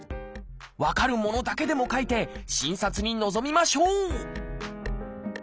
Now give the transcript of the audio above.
分かるものだけでも書いて診察に臨みましょう！